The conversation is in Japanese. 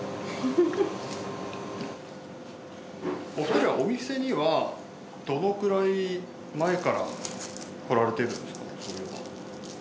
お二人はお店にはどのくらい前から来られてるんですか？